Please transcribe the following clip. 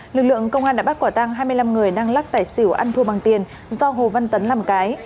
lực lượng công an đã bắt quả tăng hai mươi năm người đang lắc tài xỉu ăn thua bằng tiền do hồ văn tấn làm cái